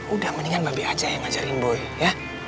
udah mendingan mba be aja yang ngajarin boy ya